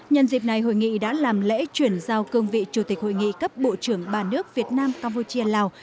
nhân dịp này hội nghị đã làm lễ chuyển giao cương vị chủ tịch hội nghị cấp bộ trưởng ba nước việt nam campuchia lào